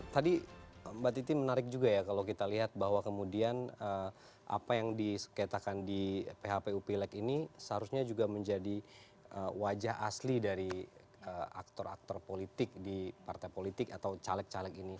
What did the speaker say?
tadi mbak titi menarik juga ya kalau kita lihat bahwa kemudian apa yang disengketakan di phpu pileg ini seharusnya juga menjadi wajah asli dari aktor aktor politik di partai politik atau caleg caleg ini